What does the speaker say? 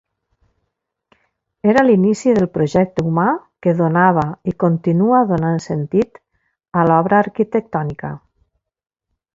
Era l’inici del projecte humà que donava i continua donant sentit a l’obra arquitectònica.